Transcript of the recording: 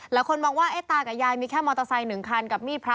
บางคนมองว่าตากับยายมีแค่มอเตอร์ไซค์๑คันกับมีดพระ